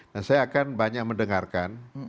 dan saya akan banyak mendengarkan